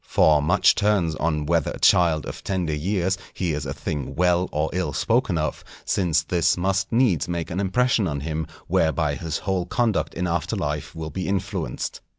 For much turns on whether a child of tender years hears a thing well or ill spoken of, since this must needs make an impression on him whereby his whole conduct in after life will be influenced.